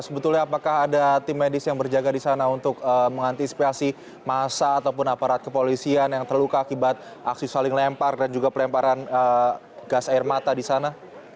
sebetulnya apakah ada tim medis yang berjaga di sana untuk mengantisipasi masa ataupun aparat kepolisian yang terluka akibat aksi saling lempar dan juga pelemparan gas air mata di sana